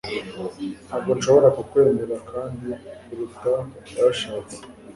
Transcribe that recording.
Ntabwo nshobora kukwemera kandi Biruta yarashatse